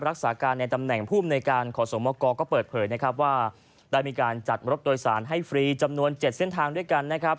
รักษาการในตำแหน่งภูมิในการขอสมกรก็เปิดเผยนะครับว่าได้มีการจัดรถโดยสารให้ฟรีจำนวน๗เส้นทางด้วยกันนะครับ